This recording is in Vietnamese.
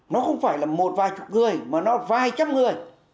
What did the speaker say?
nó không phải là một vài chục người mà nó vài trăm người